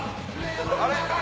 あれ？